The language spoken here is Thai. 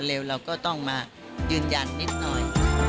เราก็ต้องมายืนยันนิดหน่อย